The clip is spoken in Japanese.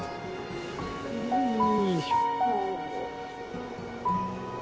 よいしょ。